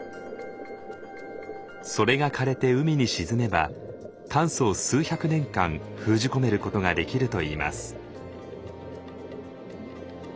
それが枯れて海に沈めば炭素を数百年間封じ込めることができるといいます。